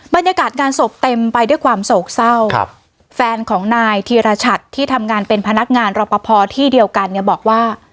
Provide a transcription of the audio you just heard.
บรรยากาศงานศพเต็มไปด้วยความโศกเศร้าครับแฟนของนายธีรชัดที่ทำงานเป็นพนักงานรอปภที่เดียวกันเนี่ยบอกว่า